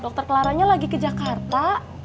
dokter clara nya lagi ke jakarta